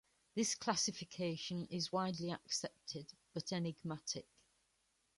This classification is widely accepted but enigmatic.